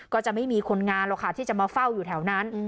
ก็จะไม่มีคนงานหรอกค่ะที่จะมาเฝ้าอยู่แถวนั้น